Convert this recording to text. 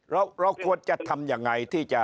เราควรจะทำยังไง